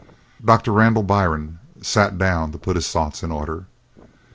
Doctor Randall Byrne sat down to put his thoughts in order.